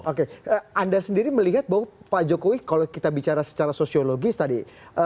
oke anda sendiri melihat bahwa pak jokowi kalau kita bicara secara sosiologis tadi